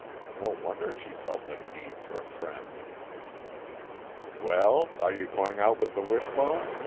No wonder she felt the need of a friend! "Well, are you going out with the Wishbone?"